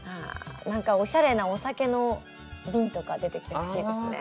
なんかおしゃれなお酒の瓶とか出てきてほしいですね。